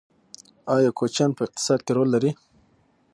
آیا کوچیان په اقتصاد کې رول لري؟